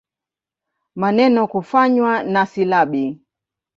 Maneno kufanywa na silabi.